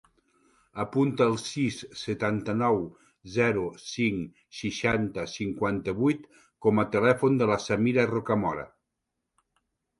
Apunta el sis, setanta-nou, zero, cinc, seixanta, cinquanta-vuit com a telèfon de la Samira Rocamora.